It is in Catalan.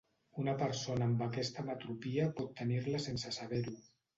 Una persona amb aquesta ametropia pot tenir-la sense saber-ho.